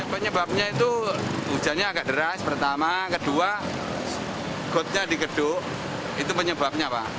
penyebabnya itu hujannya agak deras pertama kedua gotnya digeduk itu penyebabnya pak